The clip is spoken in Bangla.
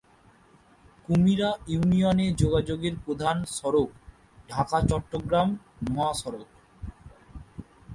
কুমিরা ইউনিয়নে যোগাযোগের প্রধান সড়ক ঢাকা-চট্টগ্রাম মহাসড়ক।